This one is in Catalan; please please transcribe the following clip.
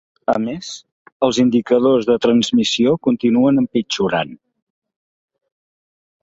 A més, els indicadors de transmissió continuen empitjorant.